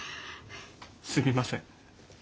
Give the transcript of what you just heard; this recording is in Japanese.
すみません。